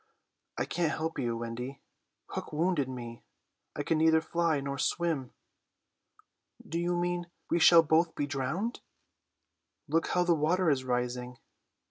"I can't help you, Wendy. Hook wounded me. I can neither fly nor swim." "Do you mean we shall both be drowned?" "Look how the water is rising."